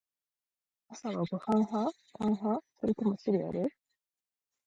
朝はご飯派？パン派？それともシリアル？